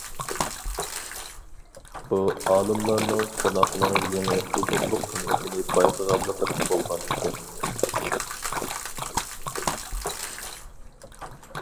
بۇ، ئالىملارنىڭ قوناقنىڭ يېڭى ئوزۇقلۇق قىممىتىنى بايقىغانلىقىدىن بولغان ئىكەن.